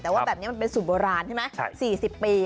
แต่ว่าแบบนี้มันเป็นสูตรโบราณใช่ไหม๔๐ปี